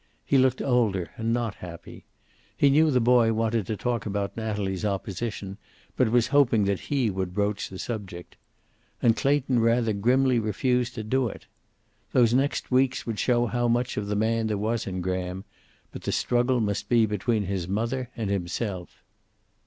He looked older, and not happy. He knew the boy wanted to talk about Natalie's opposition, but was hoping that he would broach the subject. And Clayton rather grimly refused to do it. Those next weeks would show how much of the man there was in Graham, but the struggle must be between his mother and himself.